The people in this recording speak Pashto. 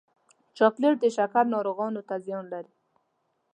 چاکلېټ د شکر ناروغانو ته زیان لري.